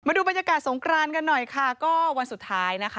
ดูบรรยากาศสงกรานกันหน่อยค่ะก็วันสุดท้ายนะคะ